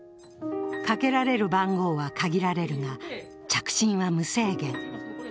かけられる番号は限られるが、着信は無制限。